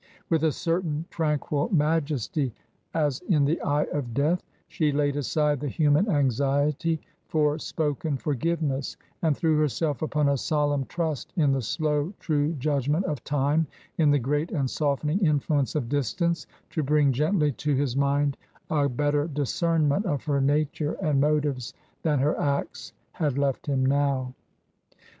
With a certain tranquil majesty — as in the eye of Death — she laid aside the human anxiety for spoken forgiveness and threw herself upon a solemn trust in the slow, true judgment of Time, in the great and softening influence of distance, to bring gently to his mind a better discernment of her nature and motives than her acts had left him now.